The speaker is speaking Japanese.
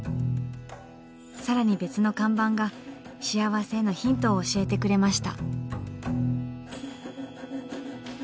更に別の看板が幸せへのヒントを教えてくれました。